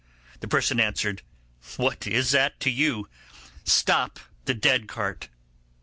The person answered, 'What is that to you? Stop the dead cart.